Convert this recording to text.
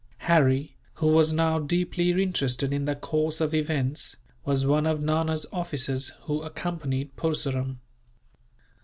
Harry, who was now deeply interested in the course of events, was one of Nana's officers who accompanied Purseram.